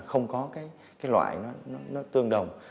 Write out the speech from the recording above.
không có cái loại nó tương đồng